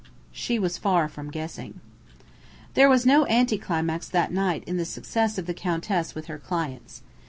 She was far from guessing. There was no anti climax that night in the success of the Countess with her "clients."